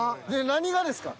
何がですか？